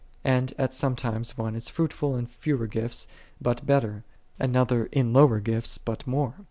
And at times one is fruitful i in fewer gifts, but better; another in lower i gifts, but more.